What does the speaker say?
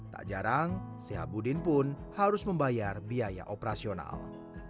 tak jarang sehabudin pun harus membayar biaya operasional